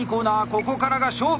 ここからが勝負。